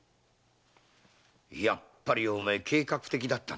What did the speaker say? やっぱりお前計画的だったんだな。